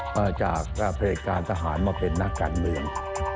มาจากประเภทการทหารมาเป็นนักการเมือง